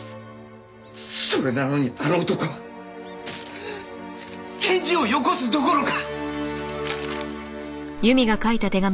それなのにあの男は返事をよこすどころか！